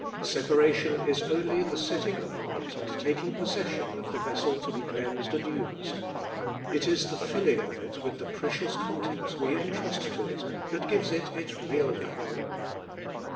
Separation is only the setting apart and taking possession of the vessel to be cleansed and used ; it is the filling of it with the precious contents we entrust to it that gives it its real value.